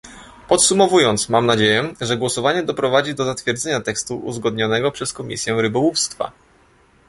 Podsumowując, mam nadzieję, że głosowanie doprowadzi do zatwierdzenia tekstu uzgodnionego przez Komisję Rybołówstwa